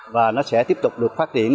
và nó sẽ tiếp tục được phát triển